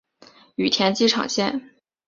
羽田机场线